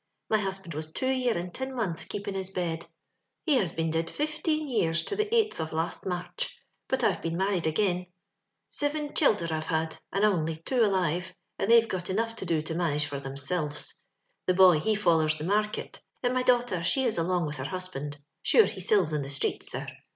My husband was two year and tin months keeping his bed ; he iias been did fifteen years to the eighth of last March ; but Tve been maxried again. '* Siven childer Pve had, and ounly two alive, and they've got enough to do to manage for thimsilves. The boy, he foUers the mar ket, and my danghter, ^e is along with her husband ; sure he sills in the streets, sir.